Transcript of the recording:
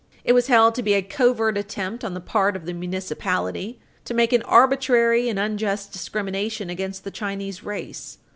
It was held to be a covert attempt on the part of the municipality to make an arbitrary and unjust discrimination against the Chinese race.